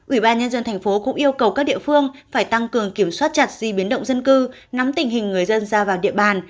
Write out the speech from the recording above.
ủy ban nhân dân thành phố cũng yêu cầu các địa phương phải tăng cường kiểm soát chặt di biến động dân cư nắm tình hình người dân ra vào địa bàn